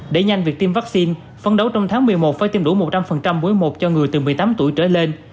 để nhanh việc tiêm vaccine phấn đấu trong tháng một mươi một phải tiêm đủ một trăm linh buổi một cho người từ một mươi tám tuổi trở lên